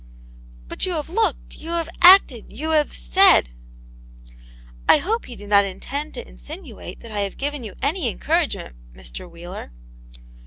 " But you have looked, you have acted, you have said "" I hope you do not intend to insintate that I have given you any encouragement, Mr. Wheeler."